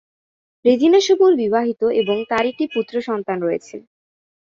রেজিনা সবুর বিবাহিত এবং তার একটি পুত্র সন্তান রয়েছে।